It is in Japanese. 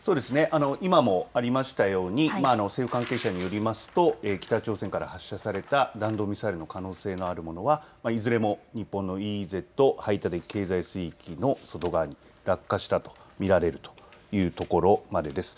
今もありましたように政府関係者によりますと北朝鮮から発射された弾道ミサイルの可能性のあるものは、いずれも日本のＥＥＺ・排他的経済水域の外側に落下したと見られるというところまでです。